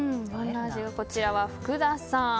こちらは福田さん。